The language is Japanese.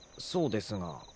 そうですが。